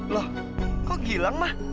loh kok gilang mah